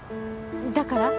だから？